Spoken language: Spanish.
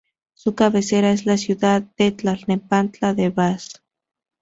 Su cabecera es la ciudad de Tlalnepantla de Baz.